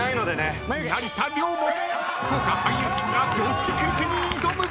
［豪華俳優陣が常識クイズに挑む！］